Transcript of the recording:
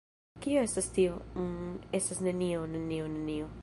Kio estas tio? Mmm estas nenio, nenio, nenio...